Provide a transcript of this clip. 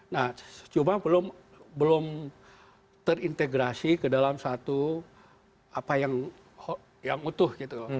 nah cuma belum terintegrasi ke dalam satu apa yang utuh gitu